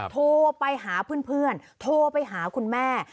โทรไปหาเพื่อนโทรไปหาคุณแม่